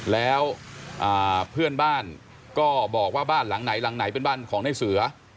แล้วเพื่อนบ้านก็บอกว่าบ้านหลังไหนหลังไหนเป็นบ้านของในเสือ